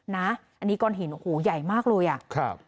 นะอันนี้ก้อนหินโอ้โหใหญ่มากเลยอ่ะครับ